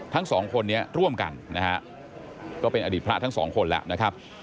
ทั้งสองคนนี้ร่วมกันนะฮะก็เป็นอดีตพระทั้งสองคนแล้วนะครับ